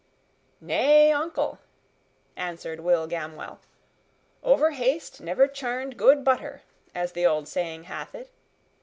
"Nay, uncle," answered Will Gamwell, "overhaste never churned good butter, as the old saying hath it.